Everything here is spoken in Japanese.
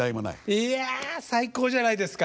いや最高じゃないですか。